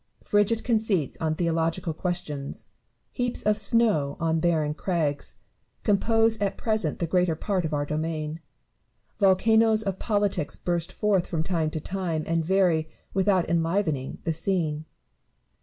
Frigid conceits on theological questions, heaps of snow on barren crags, compose at present the greater part of our domain : volcanoes of politics burst forth from time to time, and vary, without enlivening, the scene.